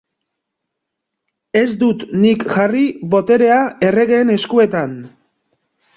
Ez dut nik jarri boterea erregeen eskuetan.